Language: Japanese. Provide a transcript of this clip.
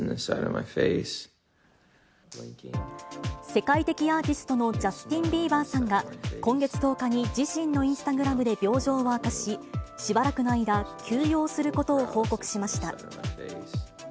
世界的アーティストのジャスティン・ビーバーさんが、今月１０日に自身のインスタグラムで病状を明かし、しばらくの間、休養することを報告しました。